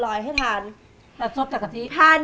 ของคุณยายถ้วน